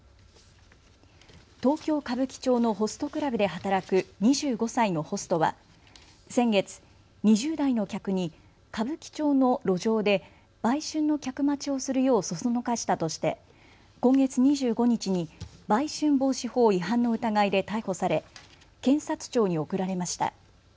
東京歌舞伎町のホストクラブで働く２５歳のホストは先月、２０代の客に歌舞伎町の路上で売春の客待ちをするよう唆したとして今月２５日に売春防止法違反の疑いで逮捕され検察庁に送られました。